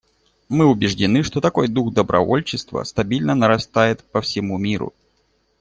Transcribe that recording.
Мы убеждены, что такой дух добровольчества стабильно нарастает по всему миру.